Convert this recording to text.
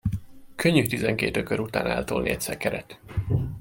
Könnyű tizenkét ökör után eltolni egy szekeret.